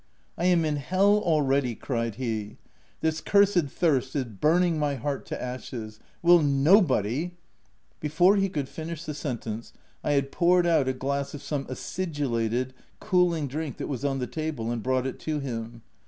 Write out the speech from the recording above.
" I am in hell, already !" cried he. ct This cursed thirst is burning rny heart to ashes ! Will nobody —" Before he could finish the sentence, I had poured out a glass of some acidulated, cooling drink that was on the table, and brought it to him.